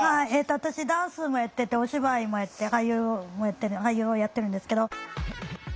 私ダンスもやっててお芝居もやって俳優をやってるんですけど。